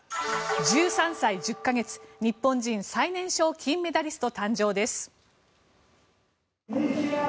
１３歳１０か月日本人最年少金メダリスト誕生です。